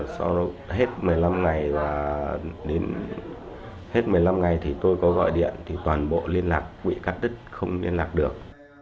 sau hết một mươi năm ngày thì tôi có gọi điện thì toàn bộ liên lạc bị cắt đứt không liên lạc được